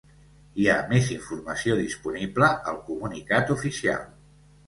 Hi ha més informació disponible al comunicat oficial.